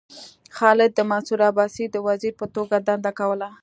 خالد د منصور عباسي د وزیر په توګه دنده کوله.